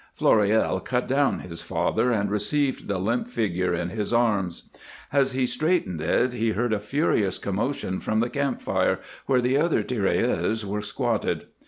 Floréal cut down his father and received the limp figure in his arms. As he straightened it he heard a furious commotion from the camp fire where the other tirailleurs were squatted.